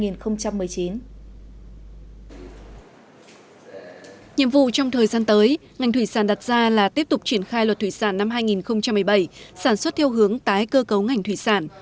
nhiệm vụ trong thời gian tới ngành thủy sản đặt ra là tiếp tục triển khai luật thủy sản năm hai nghìn một mươi bảy sản xuất theo hướng tái cơ cấu ngành thủy sản